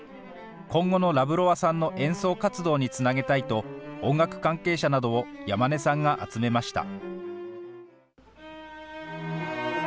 今後のラブロワさんの演奏活動につなげたいと、音楽関係者などを山根さんが集めました。